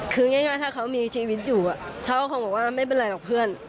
คือง่ายถ้าเขามีชีวิตอยู่เขาก็คงบอกว่าไม่เป็นไรหรอกเพื่อน